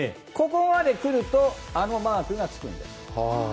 ここまで来るとあのマークがつくんです。